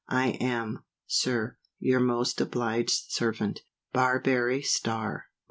I am, Sir, Your most obliged servant, BARBARY STARR. No.